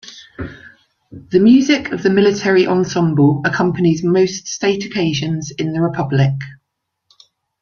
The music of the Military Ensemble accompanies most state occasions in the republic.